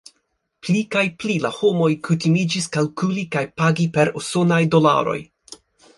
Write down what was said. Pli kaj pli la homoj kutimiĝis kalkuli kaj pagi per usonaj dolaroj.